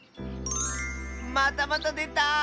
またまたでた！